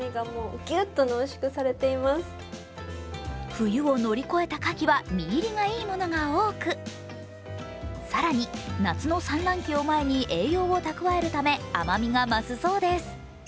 冬を乗り越えた牡蠣は身入りがいいものが多く更に夏の産卵期を前に栄養を蓄えるため甘みが増すそうです。